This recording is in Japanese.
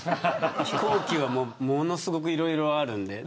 飛行機はものすごくいろいろあるんで。